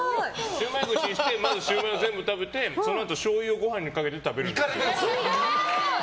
シウマイ串にしてまずシウマイを全部食べてそのあとしょうゆをご飯にかけて食べる。